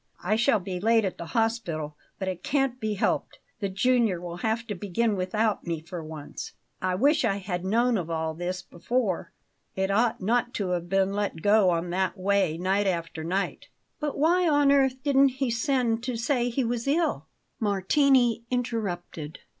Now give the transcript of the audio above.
"I shall be late at the hospital; but it can't be helped. The junior will have to begin without me for once. I wish I had known of all this before it ought not to have been let go on that way night after night." "But why on earth didn't he send to say he was ill?" Martini interrupted.